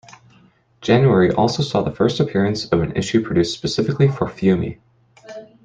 January also saw the first appearance of an issue produced specifically for Fiume.